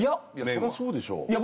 そりゃそうでしょいや